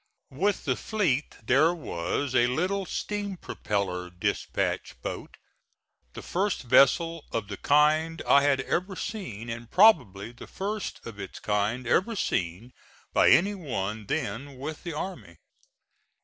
With the fleet there was a little steam propeller dispatch boat the first vessel of the kind I had ever seen, and probably the first of its kind ever seen by any one then with the army.